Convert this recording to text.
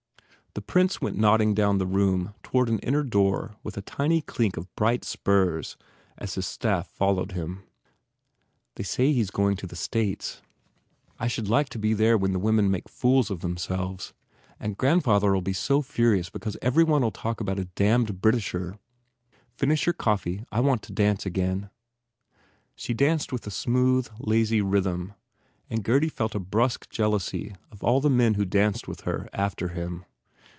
The prince went nodding down the room toward an inner door with a tiny clink of bright spurs as his staff followed him. u They say he s going to the States. I should like to be there to see the women make fools of themselves. And Grandfather ll be so furious because every one ll talk about a damned Brit isher. Finish your coffee. I want to dance again." She danced with a smooth, lazy rhythm and Gurdy felt a brusque jealousy of all the men who danced with her, after him.